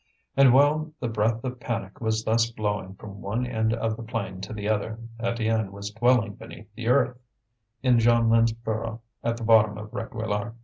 And while the breath of panic was thus blowing from one end of the plain to the other, Étienne was dwelling beneath the earth, in Jeanlin's burrow at the bottom of Réquillart.